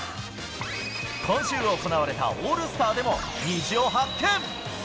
今週行われたオールスターでも、虹を発見。